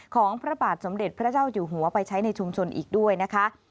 ของพระบาทสมเด็จพระเจ้าอยู่หัวไปใช้ในชุมชนอีกด้วยนะคะ